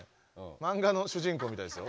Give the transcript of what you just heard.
マンガの主人公みたいですよ。